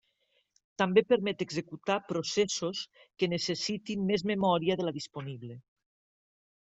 També permet executar processos que necessitin més memòria de la disponible.